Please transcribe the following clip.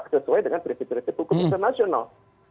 sesuai dengan prinsip prinsip hukum internasional